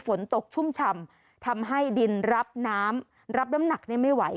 ฝนตกชุ่มฉ่ำทำให้ดินรับน้ำรับน้ำหนักไม่ไหว